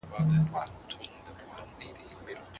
در اضافه كي ګراني!